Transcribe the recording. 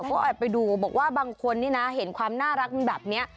ก็แอบไปดูบอกว่าบางคนนี่นะเห็นความน่ารักมันแบบนี้